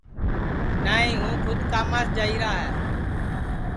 نائی ہوں کُھد کاماس جائیرا ہے